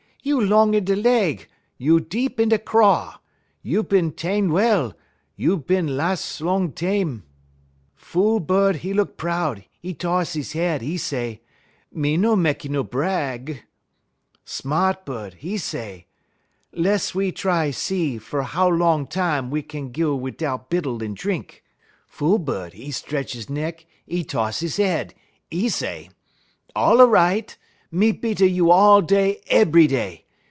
you long in da leg, you deep in da craw. You bin 'tan' well; you bin las' long tam.' "Fool bud, 'e look proud, 'e toss 'e head; 'e say: "'Me no mekky no brag.' "Sma't bud, 'e say: "'Less we try see fer how long tam we is kin go 'dout bittle un drink.' "Fool bud, 'e 'tretch 'e neck, 'e toss 'e head; 'e say: "'All a right; me beat a you all day ebry day.